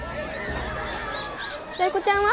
タイ子ちゃんは？